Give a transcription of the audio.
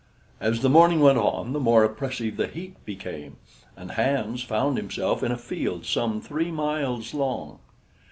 As the morning went on, the more oppressive the heat became, and Hans found himself in a field some three miles long.